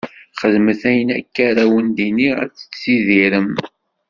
Xedmet ayen akka ara wen-d-iniɣ, ad tidirem.